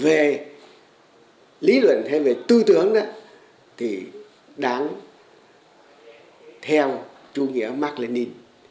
về lý luận hay về tư tưởng thì đáng theo chủ nghĩa mark lenin